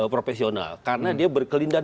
profesional karena dia berkelindahan